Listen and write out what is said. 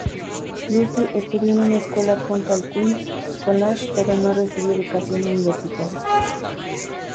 Lucy estudió en una escuela adjunta al Queens 'College pero no recibió educación universitaria.